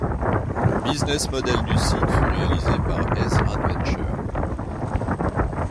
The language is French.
Le businessmodel du site fut réalisé par Ezraventure.